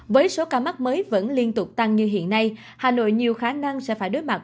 với số ca mắc mới vẫn liên tục tăng như hiện nay hà nội nhiều khả năng sẽ phải đối mặt